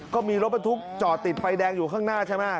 ก็มีรถบรรทุกจอดติดไฟแดงอยู่ข้างหน้าใช่ไหม